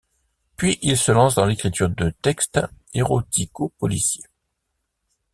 Puis il se lance dans l'écriture de textes érotico-policiers.